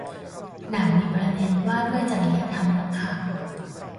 หนังมีประเด็นว่าด้วยจริยธรรมนักข่าว